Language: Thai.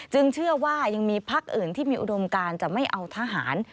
เชื่อว่ายังมีพักอื่นที่มีอุดมการจะไม่เอาทหาร